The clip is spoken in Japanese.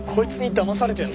だまされてる？